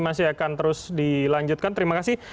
masih akan terus dilanjutkan terima kasih